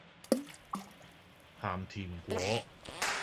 鹹甜粿